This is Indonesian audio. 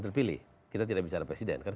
kan kita sedang bicara pak jokowi sudah terpilih